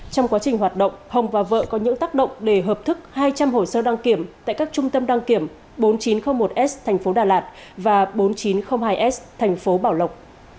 trong quá trình hoạt động hồng và vợ có những tác động để hợp thức hai trăm linh hồ sơ đăng kiểm tại các trung tâm đăng kiểm bốn nghìn chín trăm linh một s thành phố đà lạt và bốn nghìn chín trăm linh hai s thành phố bảo lộc